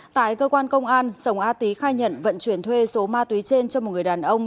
tại cơ quan công an sông a tý khai nhận vận chuyển thuê số ma túy trên cho một người đàn ông